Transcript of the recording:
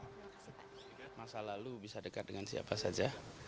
melihat masa lalu bisa dekat dengan siapa saja